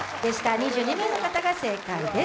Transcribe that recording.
２２名の方が正解です。